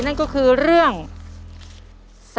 หลบหลบ